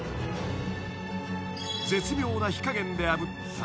［絶妙な火加減であぶった］